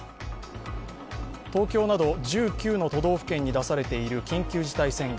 東京など１９の都道府県に出されている緊急事態宣言。